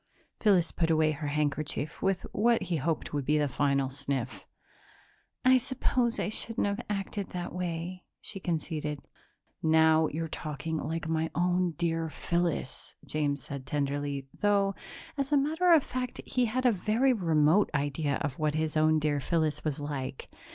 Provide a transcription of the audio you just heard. Phyllis put away her handkerchief with what he hoped would be a final sniff. "I suppose I shouldn't have acted that way," she conceded. "Now you're talking like my own dear Phyllis," James said tenderly, though, as a matter of fact, he had a very remote idea of what his own dear Phyllis was like.